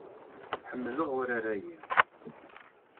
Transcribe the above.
Ḥemmleɣ urar-agi.